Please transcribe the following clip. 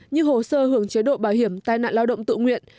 như hồ sơ hưởng chế độ bảo hiểm tai nạn lao động tự nguyện